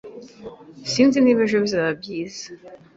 Sinzi niba ejo bizaba byiza.